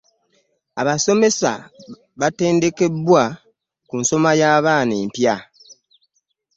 Abasomesa baatendekebwa ku nsomesa y'abaana empya.